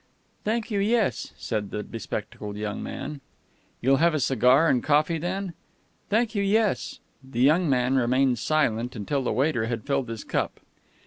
"Thank you, yes," said the spectacled young man. "You'll have a cigar and coffee, then?" "Thank you, yes." The young man remained silent until the waiter had filled his cup.